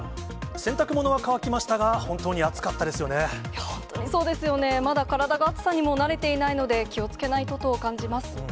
洗濯物は乾きましたが、本当に暑本当にそうですよね、まだ体が暑さにも慣れていないので、気をつけないとと感じます。